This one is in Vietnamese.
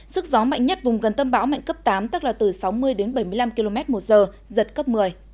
sức gió mạnh nhất vùng gần tâm bão mạnh cấp tám tức là từ sáu mươi đến bảy mươi năm km một giờ giật cấp một mươi